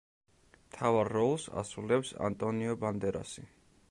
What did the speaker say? მთავარ როლს ასრულებს ანტონიო ბანდერასი.